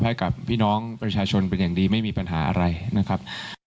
ให้กับพี่น้องประชาชนเป็นอย่างดีไม่มีปัญหาอะไรนะครับ